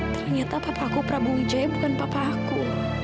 ternyata papa aku prabowo wijaya bukan papa aku